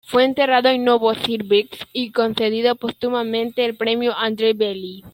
Fue enterrado en Novosibirsk y concedido póstumamente el premio Andrei Bely.